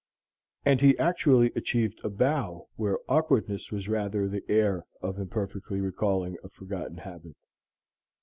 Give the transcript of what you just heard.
And he actually achieved a bow where awkwardness was rather the air of imperfectly recalling a forgotten habit.